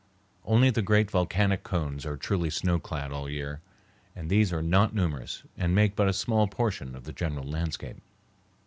Only the great volcanic cones are truly snow clad all the year, and these are not numerous and make but a small portion of the general landscape.